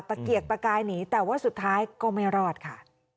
เกียกตะกายหนีแต่ว่าสุดท้ายก็ไม่รอดค่ะ